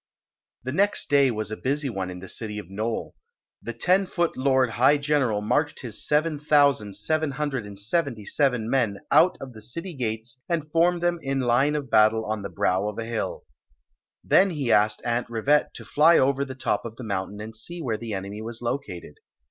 The next day was a busy one in the city of Nole. The ten.foot lord high general marched his seven thousand seven hundred and seventy seven men out of the city gates and formed them in line of battle on the brow of a hill. Then he asked Aunt Rivcttc to fly over the top of the mountain and see where the enemy was located.